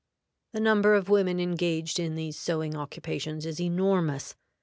The number of women engaged in these sewing occupations is enormous.